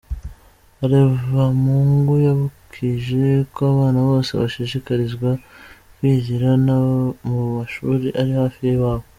Haremabungu yibukije ko abana bose bashishikarizwa kwigira mu mashuri ari hafi y’iwabo.